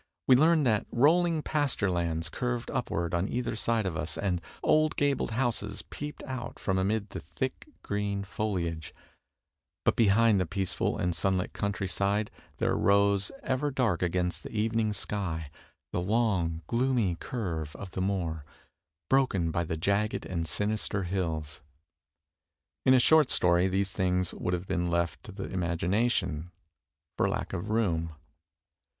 We learn that "Rolling pasture lands curved upwards on either side of us, and old gabled houses peeped out from amid the thick green PLOTS 303 foliage, but behind the peaceful and sunlit country side there rose, ever dark against the evening sky, the long, gloomy curve of the moor, broken by the jagged and sinister hills." In a short story these things would have been left to the imagination, for lack of room.